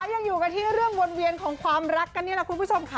ยังอยู่กันที่เรื่องวนเวียนของความรักกันนี่แหละคุณผู้ชมค่ะ